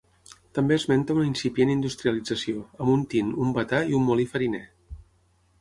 També esmenta una incipient industrialització, amb un tint, un batà i un molí fariner.